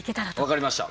分かりました。